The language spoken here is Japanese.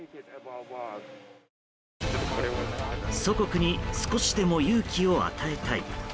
祖国に少しでも勇気を与えたい。